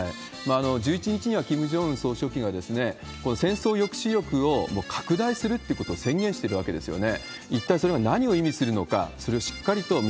１１日にはキム・ジョンウン総書記が戦争抑止力を拡大するということを宣言してるわけですよね。